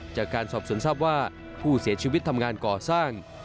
จากการสอบสวนทราบว่าผู้เสียชีวิตทำงานก่อสร้าง